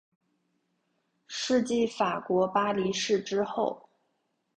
是继法国巴黎市之后。